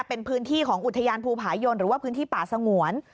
เป็นพื้นที่ของอุทยานภูผายนหรือว่าพื้นที่ป่าสงวน